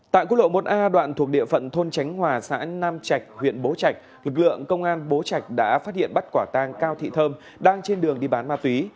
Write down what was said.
tại quốc lộ một a đoạn thuộc địa phận thôn tránh hòa xã nam trạch huyện bố trạch lực lượng công an bố trạch đã phát hiện bắt quả tang cao thị thơm đang trên đường đi bán ma túy